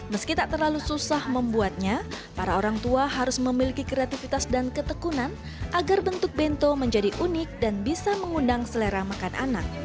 meski tak terlalu susah membuatnya para orang tua harus memiliki kreativitas dan ketekunan agar bentuk bento menjadi unik dan bisa mengundang selera makan anak